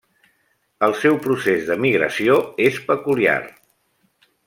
El seu procés de migració és peculiar.